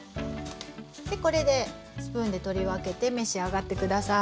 これでスプーンで取り分けて召し上がって下さい。